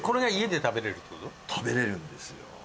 食べられるんですよ。